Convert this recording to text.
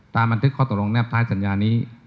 บันทึกข้อตกลงแบท้ายสัญญานี้